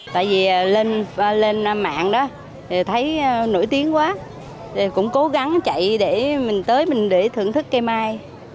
tại vì lên mạng đó thấy nổi tiếng quá cũng cố gắng chạy để mình tới mình để thưởng thức cây mai